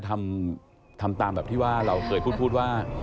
ทำตามอย่างเราเคยพูดว่า